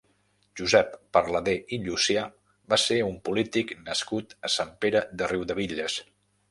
Josep Parladé i Llucià va ser un polític nascut a Sant Pere de Riudebitlles.